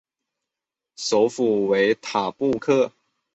首府为塔布克。